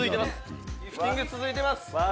「リフティングは続いてます」